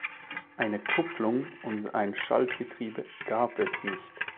Eine Kupplung und ein Schaltgetriebe gab es nicht.